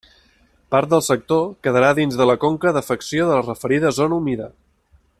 Part del sector quedarà dins de la conca d'afecció de la referida zona humida.